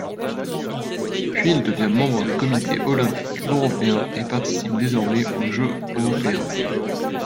Puis il devient membre des Comités olympiques européens et participe désormais aux Jeux européens.